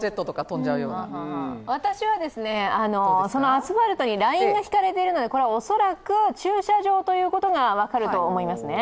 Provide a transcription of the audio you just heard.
私はそのアスファルトにラインが引かれてるんで、これは恐らく駐車場ということが分かると思いますね。